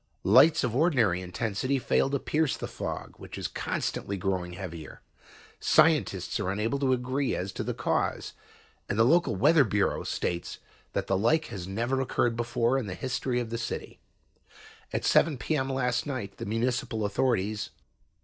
Lights of ordinary intensity fail to pierce the fog, which is constantly growing heavier. "Scientists here are unable to agree as to the cause, and the local weather bureau states that the like has never occurred before in the history of the city. "At 7 P.M. last night the municipal authorities...